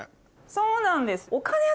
そうなんです。